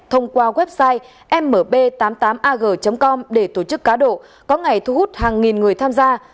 thông qua website mb tám mươi tám ag com để tổ chức cá độ có ngày thu hút hàng nghìn người tham gia